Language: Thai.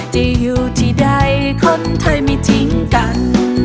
จะอยู่ที่ใดคนไทยไม่ทิ้งกัน